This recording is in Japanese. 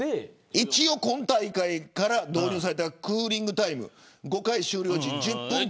一応、今大会から導入されたクーリングタイム５回終了時、１０分間。